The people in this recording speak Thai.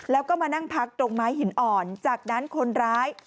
แล้วก็มานั่งพักตรงไม้หินอ่อนจากนั้นคนร้าย